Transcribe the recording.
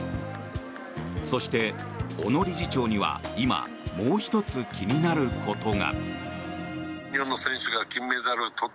そして、小野理事長には今、もう１つ気になることが。